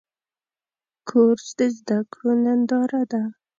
کورس د زده کړو ننداره ده.